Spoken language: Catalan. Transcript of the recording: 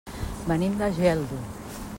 Venim de Geldo.